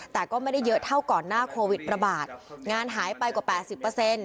แต่ก็ไม่ได้เยอะเท่าก่อนหน้าโควิดประบาทงานหายไปกว่า๘๐